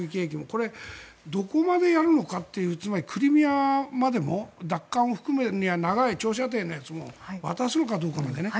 これ、どこまでやるのかっていうつまりクリミアまでも奪還を含めるには長い長射程のやつも渡すのかどうかまでね。